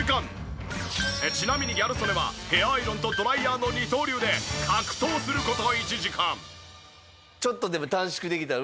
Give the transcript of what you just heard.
ちなみにギャル曽根はヘアアイロンとドライヤーの二刀流で格闘する事１時間。